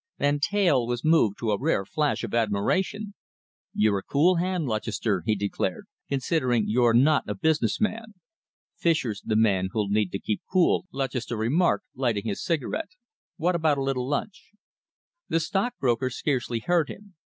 Van Teyl was moved to a rare flash of admiration. "You're a cool hand, Lutchester," he declared, "considering you're not a business man." "Fischer's the man who'll need to keep cool," Lutchester remarked, lighting his cigarette. "What about a little lunch?" The stockbroker scarcely heard him.